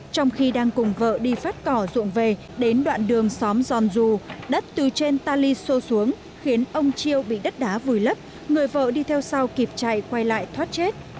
trong khi đang cùng vợ đi phát cỏ ruộng về đến đoạn đường xóm giòn dù đất từ trên tali xô xuống khiến ông chiêu bị đất đá vùi lấp người vợ đi theo sau kịp chạy quay lại thoát chết